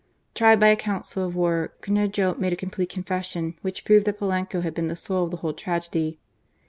Tried by a council of war, Cornejo made a complete confession, which proved that Polanco had been the soul of the whole tragedy.